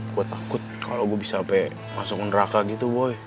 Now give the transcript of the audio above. gue takut kalo gue bisa sampe masuk ke neraka gitu boy